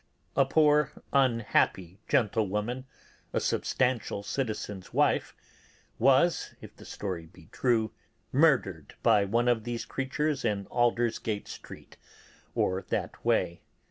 A poor, unhappy gentlewoman, a substantial citizen's wife, was (if the story be true) murdered by one of these creatures in Aldersgate Street, or that way.